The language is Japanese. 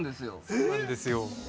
そうなんですよ。